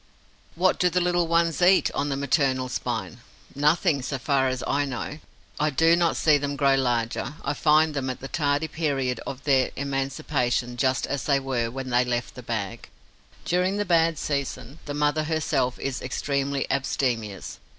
What do the little ones eat, on the maternal spine? Nothing, so far as I know. I do not see them grow larger. I find them, at the tardy period of their emancipation, just as they were when they left the bag. During the bad season, the mother herself is extremely abstemious.